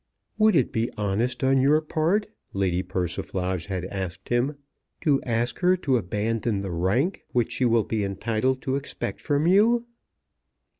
"Would it be honest on your part," Lady Persiflage had asked him, "to ask her to abandon the rank which she will be entitled to expect from you?"